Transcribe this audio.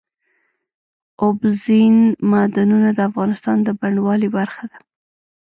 اوبزین معدنونه د افغانستان د بڼوالۍ برخه ده.